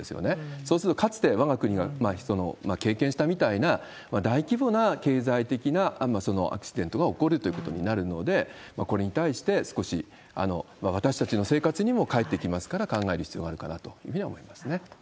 そうすると、かつてわが国が経験したみたいな、大規模な経済的なアクシデントが起こるということになるので、これに対して、少し私たちの生活にも返ってきますから、考える必要があるかなというふうには思いますね。